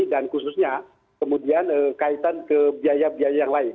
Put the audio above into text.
dan khususnya kemudian kaitan ke biaya biaya yang lain